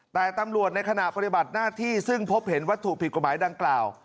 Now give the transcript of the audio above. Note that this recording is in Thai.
แต่ตำรวจในขณะปฏิบัติหน้าที่ซึ่งพบเห็นวัตถุผิดกฎหมายดังกล่าว